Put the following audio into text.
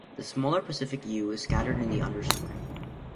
The smaller Pacific yew is scattered in the understorey.